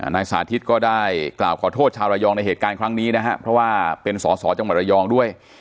นายสาธิตก็ได้กล่าวขอโทษชาวระยองในเหตุการณ์ครั้งนี้นะครับเพราะว่าเป็นสอสอจังหวัดระยองด้วย